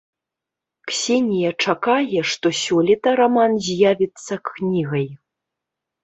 Ксенія чакае, што сёлета раман з'явіцца кнігай.